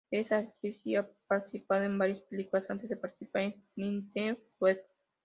Es actriz y ha participado en varias películas antes de participar en Nintendo Week.